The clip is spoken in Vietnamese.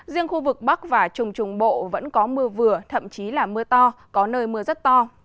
riêng khu vực bắc và trung trung bộ vẫn có mưa vừa thậm chí là mưa to có nơi mưa rất to